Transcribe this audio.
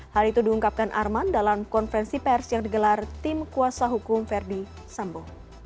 hal itu diungkapkan arman dalam konferensi pers yang digelar tim kuasa hukum verdi sambo